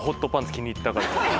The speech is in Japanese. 気に入ったか。